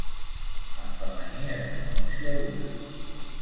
En femení es pronuncia una.